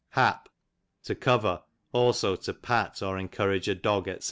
Hap, to cover ; cdso to jiat or en courage a dog, £c.